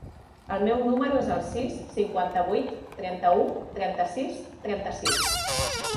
El meu número es el sis, cinquanta-vuit, trenta-u, trenta-sis, trenta-sis.